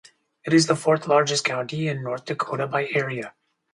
It is the fourth-largest county in North Dakota by area.